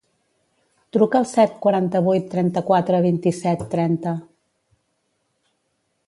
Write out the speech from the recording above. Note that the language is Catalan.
Truca al set, quaranta-vuit, trenta-quatre, vint-i-set, trenta.